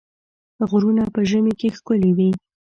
غرونه په ژمي کې ښکلي وي.